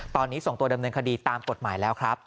ตอนนี้ส่งตัวดำเนินคดีตามกฎหมายแล้วครับ